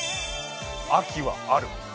「秋はある」